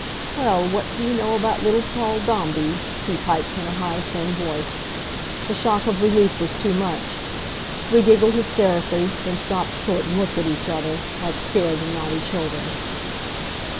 "Well, what do you know about little Paul Dombey?" he piped in a high, thin voice. The shock of relief was too much. We giggled hysterically, then stopped short and looked at each other, like scared and naughty children.